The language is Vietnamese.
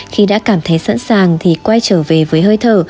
khi đã cảm thấy sẵn sàng thì quay trở về với hơi thở